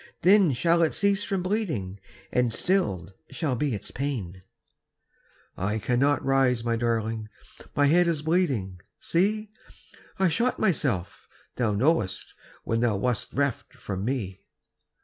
Then shall it cease from bleeding. And stilled shall be its pain." "I cannot rise, my darling, My head is bleeding see! I shot myself, thou knowest, When thou wast reft from me."